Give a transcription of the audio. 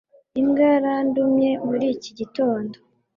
Imbwa yarandumye muri iki gitondo